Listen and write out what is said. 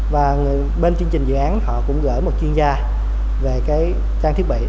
và bên chương trình dự án họ cũng gửi một chuyên gia về cái trang thiết bị